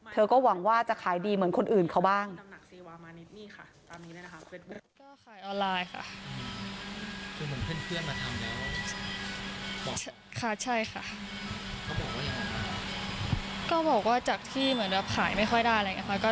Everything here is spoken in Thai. ก็หวังว่าจะขายดีเหมือนคนอื่นเขาบ้าง